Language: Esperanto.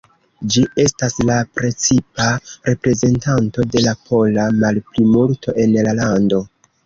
Ĝi estas la precipa reprezentanto de la pola malplimulto en la lando.